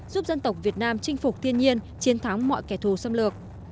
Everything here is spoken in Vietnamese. giúp dân tộc việt nam chinh phục thiên nhiên chiến thắng mọi kẻ thù xâm lược